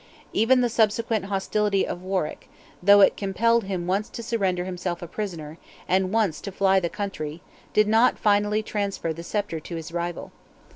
Even the subsequent hostility of Warwick—though it compelled him once to surrender himself a prisoner, and once to fly the country—did not finally transfer the sceptre to his rival.